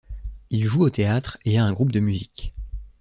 Il joue au théâtre et a un groupe de musique.